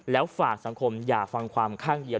แล้วฝากสังคมอย่าฟังความข้างเดียว